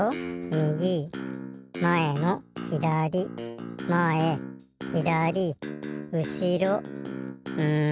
みぎまえのひだりまえひだりうしろん